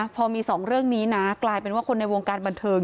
พอมีสองเรื่องนี้นะกลายเป็นว่าคนในวงการบันเทิง